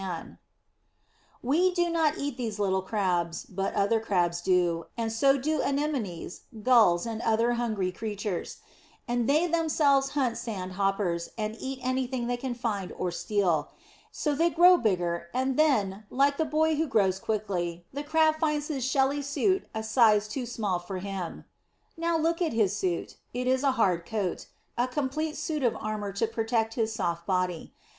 [Illustration: PURSE CRAB.] We do not eat these little Crabs, but other Crabs do, and so do anemones, gulls, and other hungry creatures; and they themselves hunt sand hoppers, and eat anything they can find or steal. So they grow bigger; and then, like the boy who grows quickly, the Crab finds his shelly suit a size too small for him! Now look at his suit. It is a hard coat, a complete suit of armour to protect his soft body.